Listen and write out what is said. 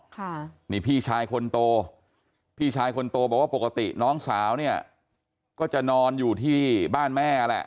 ค่ะนี่พี่ชายคนโตพี่ชายคนโตบอกว่าปกติน้องสาวเนี่ยก็จะนอนอยู่ที่บ้านแม่แหละ